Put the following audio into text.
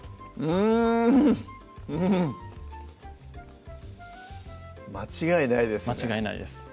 うん間違いないですね